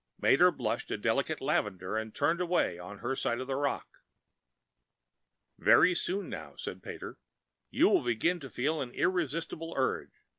Mater blushed a delicate lavender and turned away on her side of the rock. "Very soon now," said Pater, "you will begin feeling an irresistible urge ...